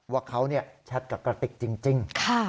ว่าเขาแชทกับกระติกจริง